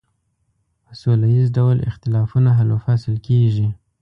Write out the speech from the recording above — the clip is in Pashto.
په سوله ایز ډول اختلافونه حل و فصل کیږي.